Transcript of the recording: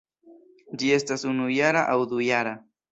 Ĝi estas unujara aŭ dujara.